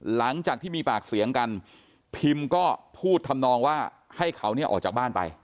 หลังจากที่มีปากเสียงกันพิมก็พูดทำนองว่าให้เขาเนี่ยออกจากบ้านไป